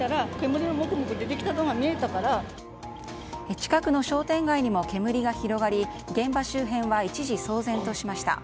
近くの商店街にも煙が広がり現場周辺は一時騒然としました。